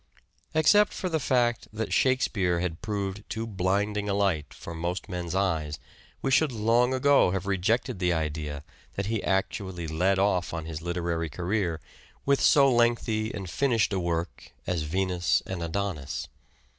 Except for the fact that " Shakespeare " has proved too blinding a light for most men's eyes we should long ago have rejected the idea that he actually " led off " on his THE SEARCH AND DISCOVERY 137 literary career with so lengthy and finished a work as " Venus and Adonis."